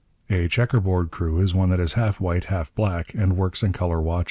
A 'chequer board' crew is one that is half white, half black, and works in colour watches.